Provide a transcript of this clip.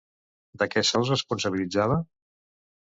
De què se'ls responsabilitzava?